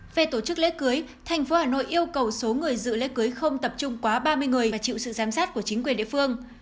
về tổ chức lễ cưới thành phố hà nội yêu cầu số người dự lễ cưới không tập trung quá ba mươi người và chịu sự giám sát của chính quyền địa phương